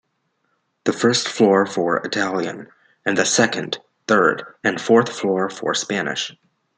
The first floor for Italian, and the second, third, and fourth floor for Spanish.